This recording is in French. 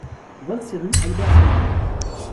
vingt-six rue Albert Salmon